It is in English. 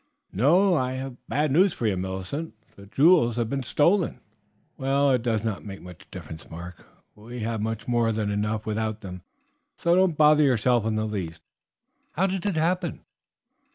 "No; I have bad news for you, Millicent; the jewels have been stolen." "Well it does not make much difference, Mark. We have much more than enough without them, so don't bother yourself in the least. How did it happen?"